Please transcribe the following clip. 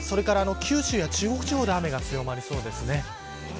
九州や中国地方で雨が強まりそうですね。